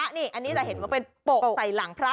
อันนี้จะเห็นว่าเป็นปกใส่หลังพระ